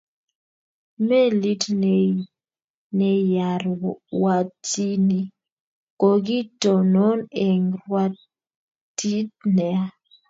Melit negyarwatyini kokitonon eng rwotyit neya